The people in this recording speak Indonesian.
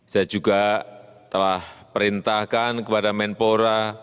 saya juga telah perintahkan kepada menpora